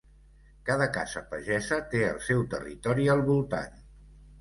Cada casa pagesa té el seu territori al voltant.